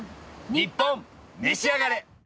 『ニッポンめしあがれ』。